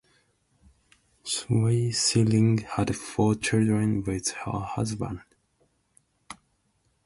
Swaythling had four children with her husband.